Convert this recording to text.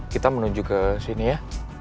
kita menuju kesini ya